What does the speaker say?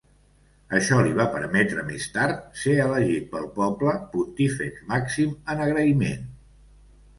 Això li va permetre més tard ser elegit pel poble Pontífex Màxim, en agraïment.